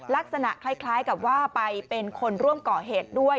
ลักษณะคล้ายกับว่าไปเป็นคนร่วมก่อเหตุด้วย